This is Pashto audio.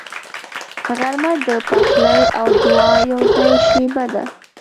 غرمه د پخلي او دعا یوځای شیبه ده